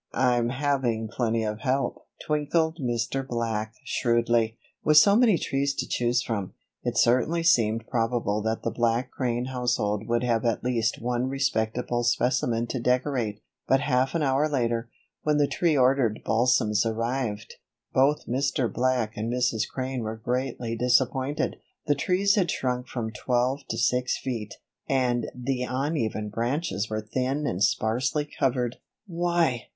"I'm having plenty of help," twinkled Mr. Black, shrewdly. With so many trees to choose from, it certainly seemed probable that the Black Crane household would have at least one respectable specimen to decorate; but half an hour later, when the three ordered balsams arrived, both Mr. Black and Mrs. Crane were greatly disappointed. The trees had shrunk from twelve to six feet, and the uneven branches were thin and sparsely covered. "Why!"